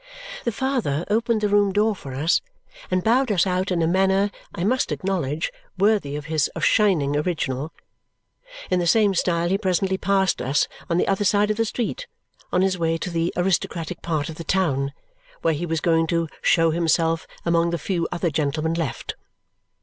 The father opened the room door for us and bowed us out in a manner, I must acknowledge, worthy of his shining original. In the same style he presently passed us on the other side of the street, on his way to the aristocratic part of the town, where he was going to show himself among the few other gentlemen left.